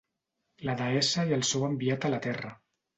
La deessa i el seu enviat a la terra.